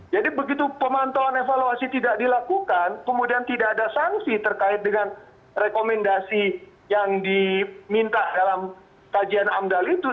jadi begitu pemantauan evaluasi tidak dilakukan kemudian tidak ada sanksi terkait dengan rekomendasi yang diminta dalam tajian andal itu